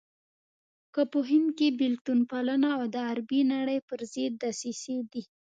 که په هند کې بېلتون پالنه او د عربي نړۍ پرضد دسيسې دي.